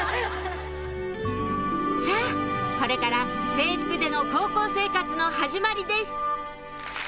さぁこれから制服での高校生活の始まりです